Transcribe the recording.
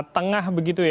tengah begitu ya